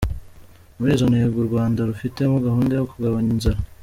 Muri izo ntego u Rwanda rufitemo gahunda yo kugabanya inzara.